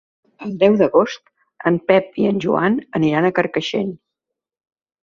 El deu d'agost en Pep i en Joan aniran a Carcaixent.